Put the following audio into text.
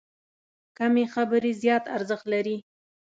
کمې خبرې، زیات ارزښت لري.